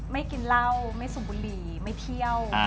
กินเหล้าไม่สูบบุหรี่ไม่เที่ยว